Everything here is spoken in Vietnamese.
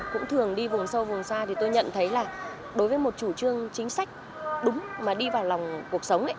cũng thường đi vùng sâu vùng xa thì tôi nhận thấy là đối với một chủ trương chính sách đúng mà đi vào lòng cuộc sống ấy